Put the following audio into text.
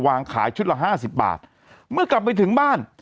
วางขายชุดละห้าสิบบาทเมื่อกลับไปถึงบ้าน